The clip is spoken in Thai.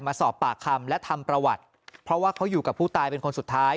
มาสอบปากคำและทำประวัติเพราะว่าเขาอยู่กับผู้ตายเป็นคนสุดท้าย